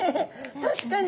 確かに。